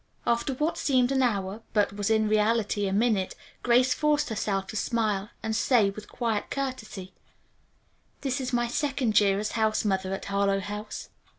After what seemed an hour, but was in reality a minute, Grace forced herself to smile and say with quiet courtesy, "This is my second year as house mother at Harlowe House.